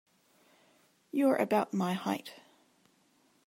You’re about my height.